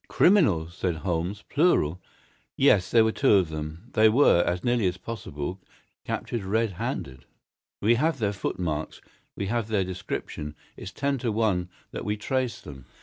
"Criminals!" said Holmes. "Plural!" "Yes, there were two of them. They were, as nearly as possible, captured red handed. We have their foot marks, we have their description; it's ten to one that we trace them.